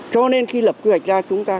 cho nên khi lập quy hoạch ra chúng ta